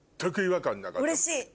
うれしい！